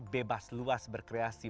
bebas luas berkreasi